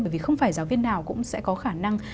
bởi vì không phải giáo viên nào cũng sẽ có khả năng